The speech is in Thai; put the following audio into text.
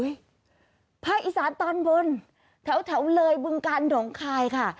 ภาคอีสานตอนบนแถวเลยบึงกาลหนองคายค่ะ